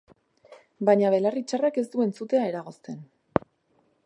Baina belarri txarrak ez du entzutea eragozten.